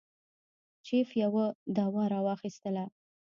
جیف یوه دوا را واخیستله.